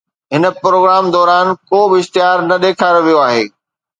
هن پروگرام دوران ڪو به اشتهار نه ڏيکاريو ويو آهي